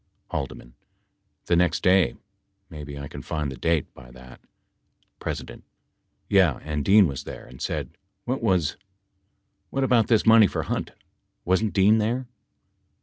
H. The next day. Maybe I can find the date by that P. Yeah. And Dean was there and said, "What about this money for Hunt ?" Wasn't Dean there